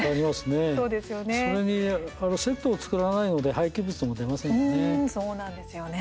それにセットを作らないので廃棄物も出ませんよね。